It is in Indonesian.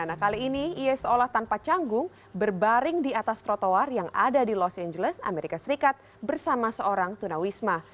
nah kali ini ia seolah tanpa canggung berbaring di atas trotoar yang ada di los angeles amerika serikat bersama seorang tunawisma